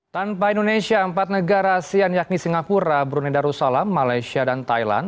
tanpa indonesia empat negara asian yakni singapura brunei dan osalam malaysia dan thailand